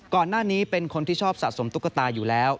ก่อนหน้านี้เป็นคนที่ชอบสะสมตุ๊กตาอยู่แล้ว